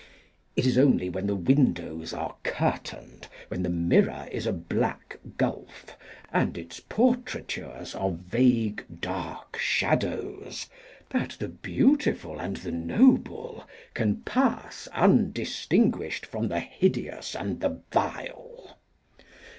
It is only when the windows are curtained, when the mirror is a black gulph and its portraitures are vague dark shadows, that the beautiful and the noble can pass undistinguished from the hideous and the vile.